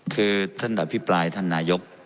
คือท่านอภิปรายท่านนายก